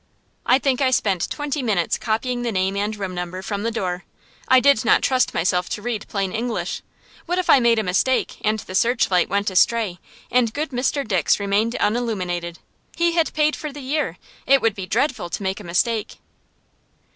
I think I spent twenty minutes copying the name and room number from the door. I did not trust myself to read plain English. What if I made a mistake, and the "Searchlight" went astray, and good Mr. Dix remained unilluminated? He had paid for the year it would be dreadful to make a mistake.